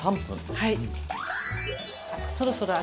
はい。